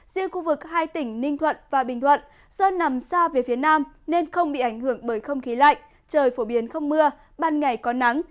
riêng khu vực hai tỉnh ninh thuận và bình thuận do nằm xa về phía nam nên không bị ảnh hưởng bởi không khí lạnh trời phổ biến không mưa ban ngày có nắng